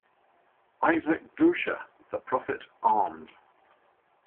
Isaac Deutscher, "The Prophet Armed"